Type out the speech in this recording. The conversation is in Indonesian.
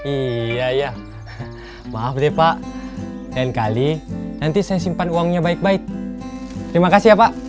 iya iya maaf deh pak lain kali nanti saya simpan uangnya baik baik terima kasih ya pak